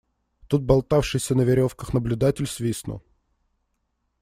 Тут болтавшийся на веревках наблюдатель свистнул.